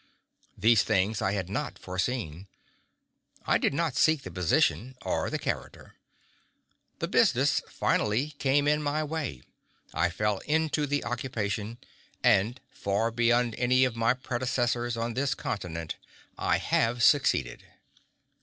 These things I had not foreseen. I did not seek the position or the character. The business finally came in my way; I fell into the occupation, and far beyond any of my predecessors on this continent, I have succeeded.